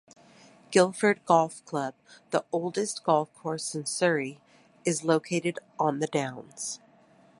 Guildford Golf Club, the oldest Golf Course in Surrey, is located on the Downs.